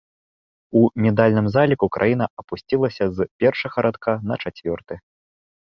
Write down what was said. У медальным заліку краіна апусцілася з першага радка на чацвёрты.